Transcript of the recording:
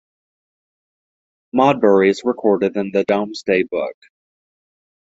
Modbury is recorded in the Domesday Book.